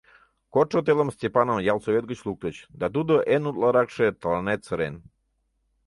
Кодшо телым Степаным ялсовет гыч луктыч, да тудо эн утларакше тыланет сырен...